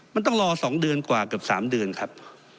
มันต้องรอ๒เดือนกว่าเกือบ๓เดือนครับ